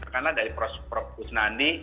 karena dari prof usnandi